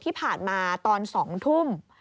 ที่ผ่านมาตอน๒ทุ่ม